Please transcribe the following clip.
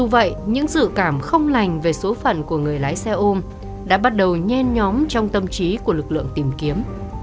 vậy những dự cảm không lành về số phận của người lái xe ôm đã bắt đầu nhen nhóm trong tâm trí của lực lượng tìm kiếm